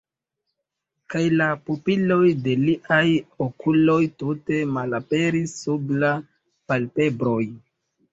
Kaj la pupiloj de liaj okuloj tute malaperis sub la palpebroj.